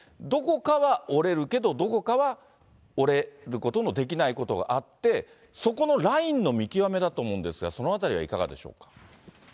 どこかは折れるけど、どこかは折れることのできないことがあって、そこのラインの見極めだと思うんですが、そのあたりはいかがでしょうか。